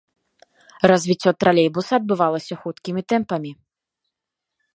Развіццё тралейбуса адбывалася хуткімі тэмпамі.